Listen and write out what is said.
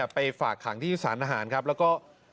ไปฝากขังที่สารทหารครับแล้วก็